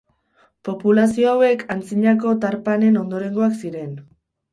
Populazio hauek antzinako tarpanen ondorengoak ziren.